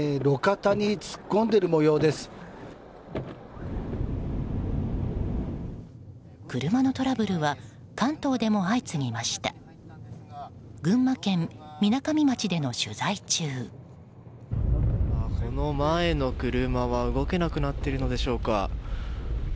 その前の車は動けなくなっているんでしょうか。